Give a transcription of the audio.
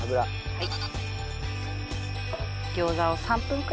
はい。